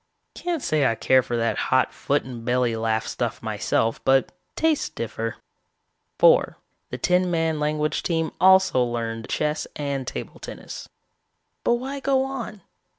Can't say I care for that hot foot and belly laugh stuff myself, but tastes differ. "Four, the ten man language team also learned chess and table tennis. "But why go on?